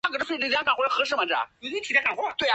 事件发生在阿富汗北部昆都士省昆都士市。